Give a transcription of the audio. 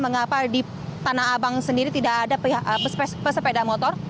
mengapa di tanah abang sendiri tidak ada pesepeda motor